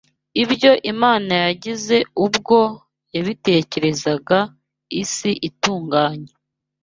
ibyo Imana yagize ubwo yitegerezaga isi itunganye